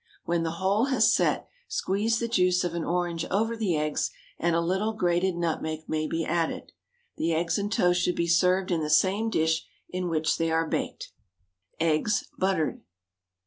When the whole has set, squeeze the juice of an orange over the eggs, and a little grated nutmeg may be added. The eggs and toast should be served in the same dish in which they are baked. EGGS, BUTTERED.